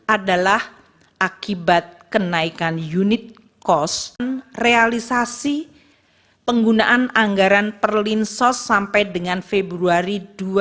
adalah akibat kenaikan unit cost realisasi penggunaan anggaran perlinsos sampai dengan februari dua ribu dua puluh